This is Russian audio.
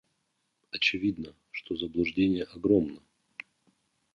Очевидно, что заблуждение огромно.